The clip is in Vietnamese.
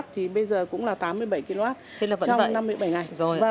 thì bây giờ cũng là tám mươi bảy kw trong năm mươi bảy ngày